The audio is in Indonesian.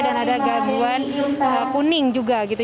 dan ada gangguan kuning juga gitu